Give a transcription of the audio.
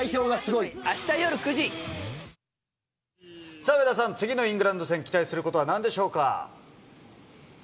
さあ、上田さん、次のイングランド戦、期待することはなんでしょうか。